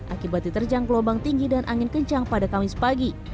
akibat diterjang gelombang tinggi dan angin kencang pada kamis pagi